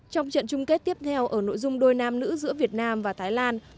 trong trận chung kết tiếp theo ở nội dung đôi nam nữ giữa việt nam và thái lan